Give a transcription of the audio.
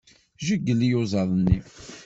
Jeyyel iyuzaḍ-nni.